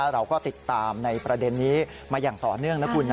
เราก็ติดตามในประเด็นนี้มาอย่างต่อเนื่องนะคุณนะ